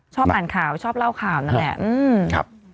ชอบอ่านข่าวชอบเล่าข่าวนั่นแหละ